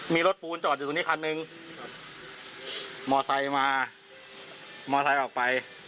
มีรถปูนจอดอยู่ตรงนี้คันหนึ่งมอไซค์มามอไซค์ออกไป